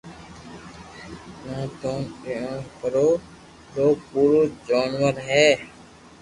تو تو جونور ھي پرو رو پورو جونور ھي